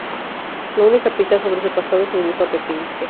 La única pista sobre su pasado es el uniforme que viste.